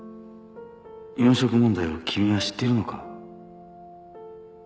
４色問題を君は知ってるのか？